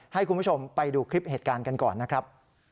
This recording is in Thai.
ให้คุณผู้ชมไปดูคลิปเหตุการณ์กันก่อนนะครับ